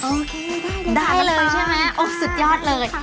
โอเคได้เลยใช่ไหมสุดยอดเลย